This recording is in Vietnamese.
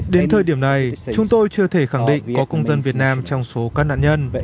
đến thời điểm này chúng tôi chưa thể khẳng định có công dân việt nam trong số các nạn nhân